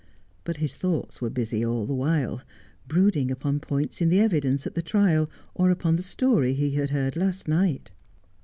But his thoughts were busy all the while, brooding upon points in the evidence at the trial, or upon the story he had heard last night.